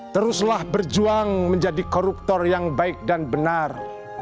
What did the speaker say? teruslah berjuang menjadi koruptor yang baik dan benar